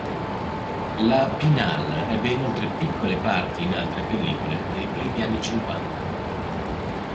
La Pinal ebbe inoltre piccole parti in altre pellicole dei primi anni Cinquanta.